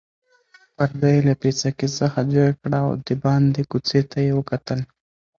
پرده یې له پیڅکې څخه جګه کړه او د باندې کوڅې ته یې وکتل.